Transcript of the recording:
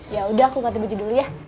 ya udah aku ganti baju dulu ya